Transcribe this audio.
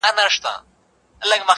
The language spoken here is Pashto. ته به ژاړې پر عمل به یې پښېمانه!